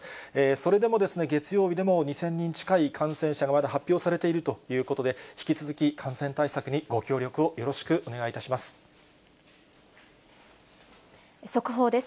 それでも、月曜日でも２０００人近い感染者がまだ発表されているということで、引き続き感染対策にご協力をよろしくお願いいたします。